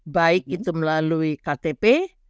baik itu melalui ktp